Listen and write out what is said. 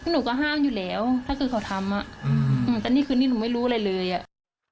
หนูก็ห้ามอยู่แล้วถ้าเกิดเขาทำอ่ะอืมแต่นี่คือนี่หนูไม่รู้อะไรเลยอ่ะ